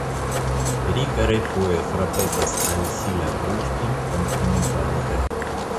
Rika refoje frapetas al si la bruston komprenigante.